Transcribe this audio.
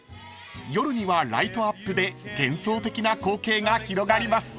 ［夜にはライトアップで幻想的な光景が広がります］